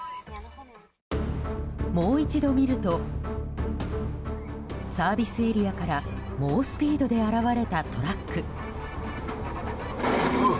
もう一度見るとサービスエリアから猛スピードで現れたトラック。